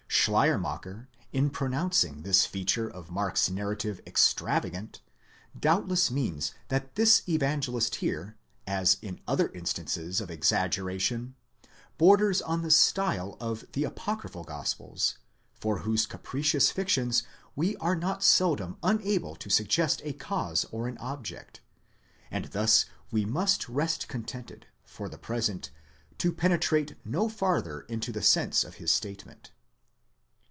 Schleiermacher, in pronouncing this feature of Mark's narrative extravagant,!2 doubtless means that this Evangelist here, as in other instances of exaggeration, borders on the style of the apocryphal gospels, for whose capricious fictions we are not seldom unable to suggest a cause or an object, and thus we must rest contented, for the present, to penetrate no farther into the sense of his statement.